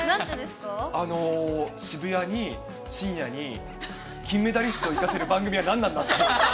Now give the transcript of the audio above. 渋谷に、深夜に金メダリストを生かせる番組は何なんだと。